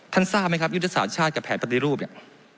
ทราบไหมครับยุทธศาสตร์ชาติกับแผนปฏิรูปเนี่ย